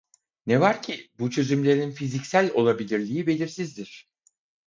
Ne var ki bu çözümlerin fiziksel olabilirliği belirsizdir.